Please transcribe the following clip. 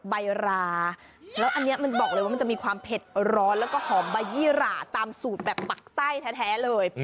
ใบราแล้วอันนี้มันบอกเลยว่ามันจะมีความเผ็ดร้อนแล้วก็หอมใบยี่หราตามสูตรแบบปักใต้แท้เลย